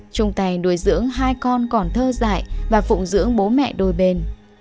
trung tài nuôi dưỡng hai con còn thơ dại và phụng dưỡng bố mẹ đôi bên